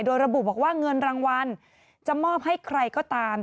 โดยระบุบอกว่าเงินรางวัลจะมอบให้ใครก็ตาม